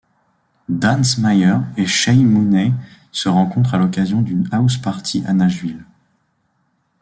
Dan Smyers et Shay Mooney se rencontrent à l'occasion d'une house party à Nashville.